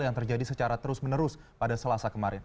yang terjadi secara terus menerus pada selasa kemarin